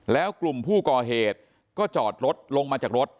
แล้วกลุ่มผู้ก่อเหตุก็จอดรถลงมาจากรถ